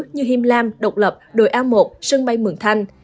như hiêm lam độc lập đồi a một sân bay mường thanh